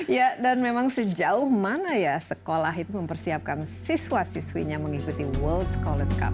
ya dan memang sejauh mana ya sekolah itu mempersiapkan siswa siswinya mengikuti world scholars cup